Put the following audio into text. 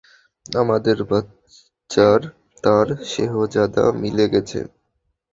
আমাদের বাচ্চার তার শেহজাদা মিলে গিছে।